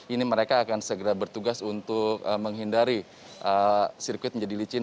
ini mereka akan segera bertugas untuk menghindari sirkuit menjadi licin